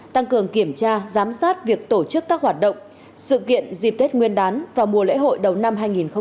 tăng cường kiểm tra giám sát việc tổ chức các hoạt động sự kiện dịp tết nguyên đán và mùa lễ hội đầu năm hai nghìn hai mươi